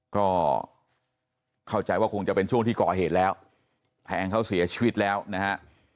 ก็เข้าใจว่าคงจะเป็นช่วงที่ก่อเหตุแล้วแทงเขาเสียชีวิตแล้วนะฮะ